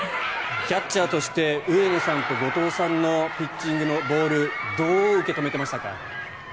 キャッチャーとして上野さんと後藤さんのピッチングのボールどう受け止めていましたか？